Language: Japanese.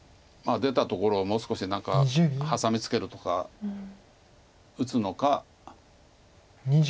出たところをもう少し何かハサミツケるとか打つのか。